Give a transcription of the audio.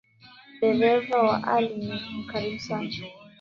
Dereva wa ali ni mkarimu sana.